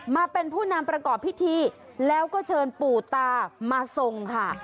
มาเป็นผู้นำประกอบพิธีแล้วก็เชิญปู่ตามาทรงค่ะ